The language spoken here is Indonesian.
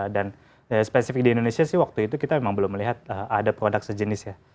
dan spesifik di indonesia sih waktu itu kita memang belum melihat ada produk sejenis ya